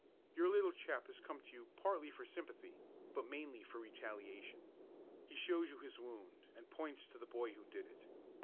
Your little chap has come to you partly for sympathy, but mainly for retaliation. He shows you his wound and points to the boy who did it.